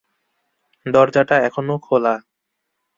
দরজাটা এখনো খোলা।